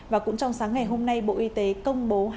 và cũng trong sáng ngày hôm nay bộ y tế công bố